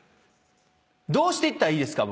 どうしていったらいいですか？